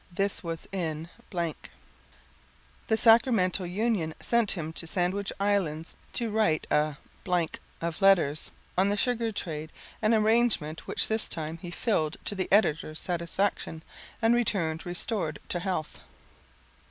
This was in [text unreadable.] The Sacramento Union sent him to the Sandwich Islands to write a [text unreadable] of letters on the sugar trade an arrangement which this time he filled to the editor's satisfaction and returned restored to health.